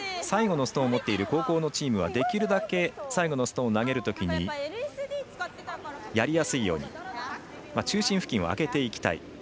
最後のストーンを持っている後攻のチームは、できるだけ最後のストーンを投げるときにやりやすいように中心付近は空けていきたい。